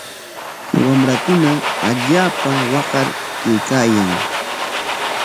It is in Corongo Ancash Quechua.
Wamrakuna allaapa waqar kaykaayan.